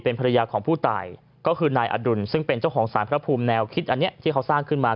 ภรรยาของผู้ตายก็คือนายอดุลซึ่งเป็นเจ้าของสารพระภูมิแนวคิดอันนี้ที่เขาสร้างขึ้นมา